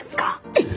えっ！